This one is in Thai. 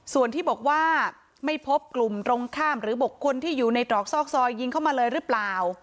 ส่วนที่บอกว่าไม่พบกลุ่มตรงข้ามหรือบุคคลที่อยู่ในตรอกซอกซอยยิงเข้ามาเลยหรือเปล่า